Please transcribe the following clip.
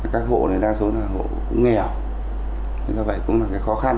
các hộ này đa số là hộ cũng nghèo do vậy cũng là cái khó khăn